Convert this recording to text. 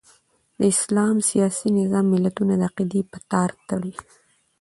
د اسلام سیاسي نظام ملتونه د عقیدې په تار تړي.